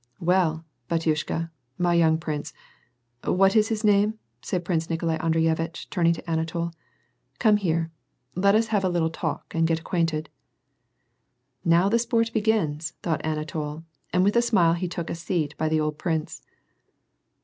" Well, bahjnshha — my young prince — what is his name ?" said Prince Nikolai Audrey itch, turning to Anatol, " come here. Let us have a little talk, and get acquainted." " Now the sport begins," thought Anatol, and with a smile he took a seat by the old prince.